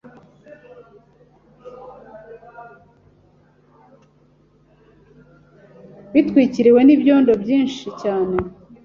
bitwikiriwe nibyondobyinshi cyane